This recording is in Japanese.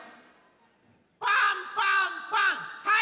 パンパンパンはい！